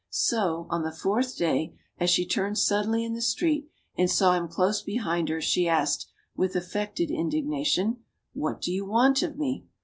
So, on the fourth day, as she turned suddenly in the street and saw him close behind her, she asked, with affected indignation: "What do you want of me?"